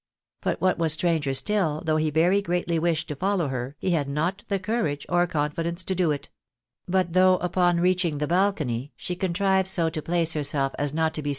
But what was stranger still, though he very greatly wished to follow her, he had not the courage or confidence to do it ; but though, upon reach ing the balcony, she contrived so to place herself as not to be 138 THE EARXABYS IX A:MERICA.